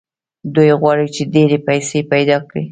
دوی غواړي چې ډېرې پيسې پيدا کړي.